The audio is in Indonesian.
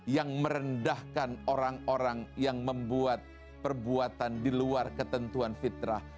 yang merendahkan orang orang yang membuat perbuatan di luar ketentuan fitrah